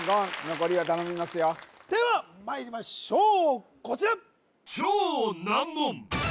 残りは頼みますよではまいりましょうこちら